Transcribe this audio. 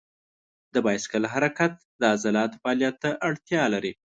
د بایسکل حرکت د عضلاتو فعالیت ته اړتیا لري.